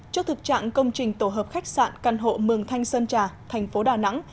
trước thực trạng công trình tổ hợp khách sạn căn hộ mường thanh sơn trà thành phố đà nẵng